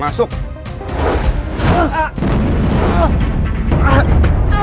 masuk masuk masuk